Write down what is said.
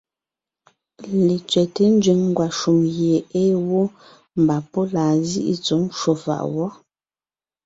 Letsẅɛ́te nzẅìŋ ngwàshùm gie ée wó, mbà pɔ́ laa zíʼi tsɔ̌ ncwò fàʼ wɔ́.